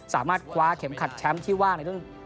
สามารถคว้าเข็มขัดแชมป์ที่ว่างในรุ่น